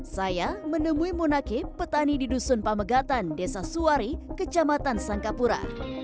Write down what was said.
saya menemui munakib petani di dusun pamegatan desa suwari kecamatan sangkapura